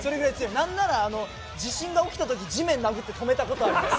なんなら地震が起きたとき、殴って止めたことがあります。